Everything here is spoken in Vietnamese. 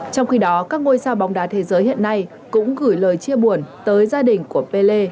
trong khi đó các ngôi sao bóng đá thế giới hiện nay cũng gửi lời chia buồn tới gia đình của pelle